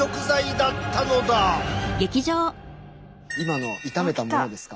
今の炒めたものですか。